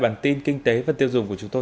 bản tin kinh tế và tiêu dùng của chúng tôi